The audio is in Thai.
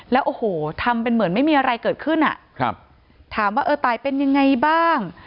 แล้วโอ้โหทำเป็นเหมือนไม่มีอะไรเกิดขึ้นอ่ะครับถามว่าเออตายเป็นยังไงบ้าง